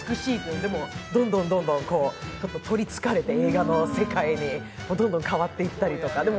でも、どんどんこう、とりつかれて、映画の世界に。どんどん変わっていったりとか。